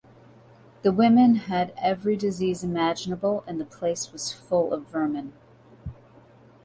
The women had every disease imaginable and the place was full of vermin.